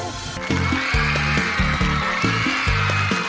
ปุ๊บอันดับสวัสดีครับ